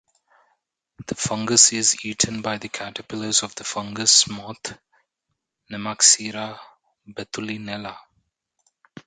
The fungus is eaten by the caterpillars of the fungus moth "Nemaxera betulinella".